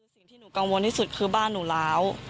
สิ่งที่หนูกังวลที่สุดคือบ้านหนูล้าว